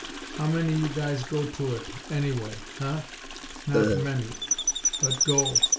How many you guys go to it, anyway? Huh? Notta many! But _go!!